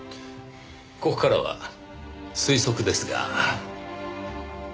ここからは推測ですが。